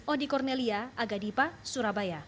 odi kornelia agadipa surabaya